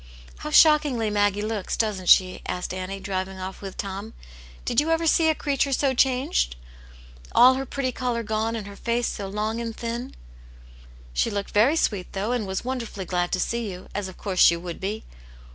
"How shockingly Maggie looks, doesn't she?" asked Annie, driving off with Tom. "Did you ever see a creature so changed ? All her pretty colour gone, and her face so long and thin !"" She looked very sweet, though, and was wonder fully glad to see you, as of course she would be.